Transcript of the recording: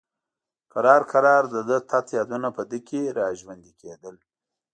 کرار کرار د ده تت یادونه په ده کې را ژوندي کېدل.